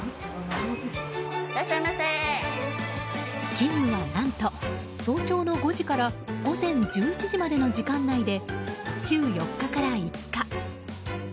勤務は何と早朝の５時から午前１１時までの時間内で週４日から５日。